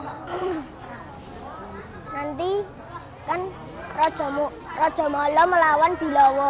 nanti kan raja mala melawan bilawa